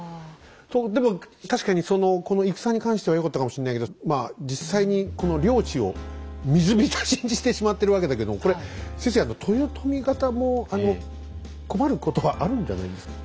でも確かにこの戦に関してはよかったかもしんないけどまあ実際にこの領地を水浸しにしてしまってるわけだけどこれ先生豊臣方も困ることはあるんじゃないですか？